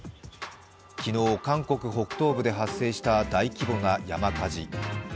昨日、韓国北東部で発生した大規模な山火事。